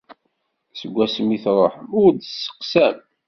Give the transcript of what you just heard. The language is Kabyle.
Seg wasmi i truḥem ur d-testeqsam.